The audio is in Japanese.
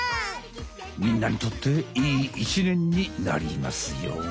みんなにとっていい１ねんになりますように！